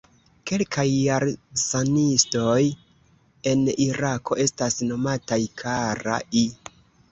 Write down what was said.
Kelkaj Jarsanistoj en Irako estas nomataj "Kaka'i".